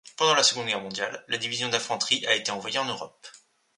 Pendant la Seconde Guerre mondiale, la Division d'Infanterie a été envoyée en Europe.